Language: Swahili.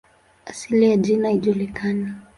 Asili ya jina haijulikani.